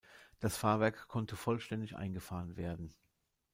Das Fahrwerk konnte vollständig eingefahren werden.